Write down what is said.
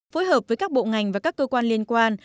phối hợp với các bộ ngành và các cơ quan liên quan